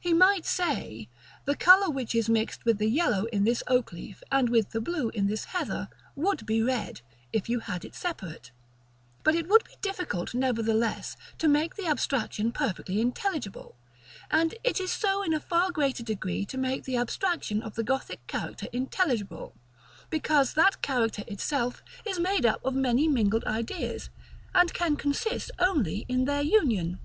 He might say, the color which is mixed with the yellow in this oak leaf, and with the blue in this heather, would be red, if you had it separate; but it would be difficult, nevertheless, to make the abstraction perfectly intelligible: and it is so in a far greater degree to make the abstraction of the Gothic character intelligible, because that character itself is made up of many mingled ideas, and can consist only in their union.